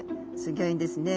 ギョいんですね。